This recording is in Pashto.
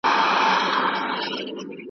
که سکندر دی که رستم دی عاقبت ورته غوزاریږی `